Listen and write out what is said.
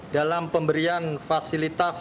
dalam pemberian fasilitas